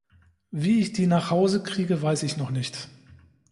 Wie ich die nach Hause kriege, weiß ich noch nicht.